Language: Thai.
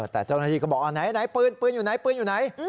แต่เจ้าหน้าที่ก็บอกอ่าไหนปืนอยู่ไหน